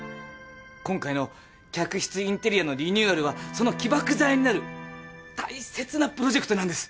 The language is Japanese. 今回の客室インテリアのリニューアルはその起爆剤になる大切なプロジェクトなんです。